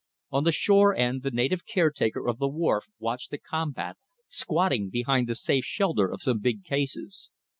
On the shore end the native caretaker of the wharf watched the combat, squatting behind the safe shelter of some big cases.